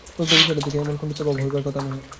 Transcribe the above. ক্রুদ্ধ বিচারকের তো এমন কুণ্ঠিত ভাব হইবার কথা নহে।